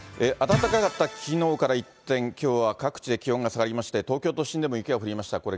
暖かかったきのうから一転、きょうは各地で気温が下がりまして、東京都心でも雪が降りました。